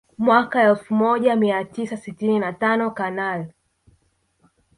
Mwaka elfu moja mia tisa sitini na tano Kanali